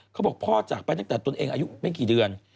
เขาบอกพ่อจากไปตั้งแต่ตนเองอายุไม่กี่เดือน